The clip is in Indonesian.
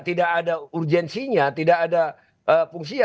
tidak ada urgensinya tidak ada fungsi ya